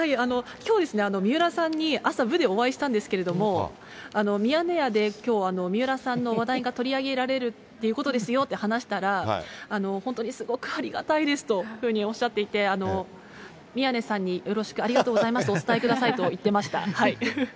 きょうですね、水卜さんに朝、部でお会いしたんですけれども、ミヤネ屋できょう、水卜さんの話題が取り上げられるってことですよと話したら、本当にすごくありがたいですというふうにおっしゃっていて、宮根さんによろしく、ありがとうとお伝えくださいと言ってました。